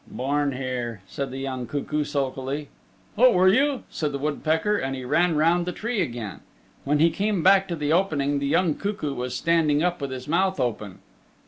"Born here," said the young cuckoo sulkily. "Oh, were you?" said the woodpecker and he ran round the tree again. When he came back to the opening the young cuckoo was standing up with his mouth open.